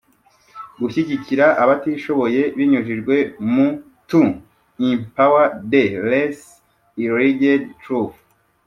Gushyigikira abatishoboye binyujijwe mu To empower the less pr ileged through